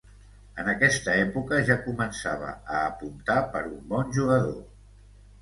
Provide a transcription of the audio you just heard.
En aquesta època ja començava a apuntar per un bon jugador.